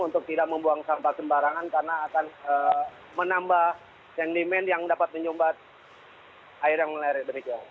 untuk tidak membuang sampah sembarangan karena akan menambah sentimen yang dapat menyumbat air yang melerik